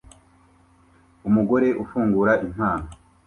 Umugore ufungura impano